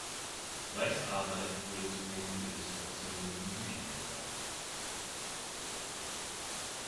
Weisz Arbeit wurde zunehmend für Illustrationen von Büchern gefragt.